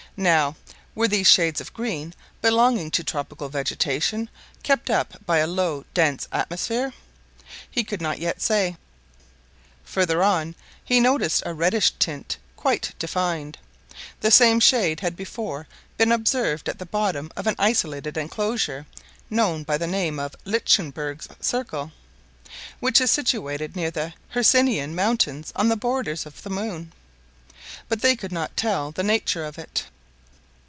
Now, were these shades of green, belonging to tropical vegetation, kept up by a low dense atmosphere? He could not yet say. Farther on, he noticed a reddish tint, quite defined. The same shade had before been observed at the bottom of an isolated enclosure, known by the name of Lichtenburg's circle, which is situated near the Hercynian mountains, on the borders of the moon; but they could not tell the nature of it.